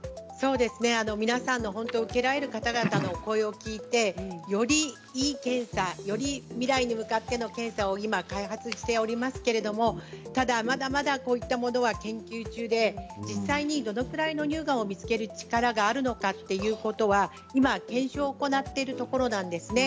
受けられる方々の声を聞いてより、いい検査より未来に向かっての検査は今、開発しておりますけれどただ、まだまだこういったものは研究中で実際にどのくらいの乳がんを見つける力があるのかということは今、検証を行っているところなんですね。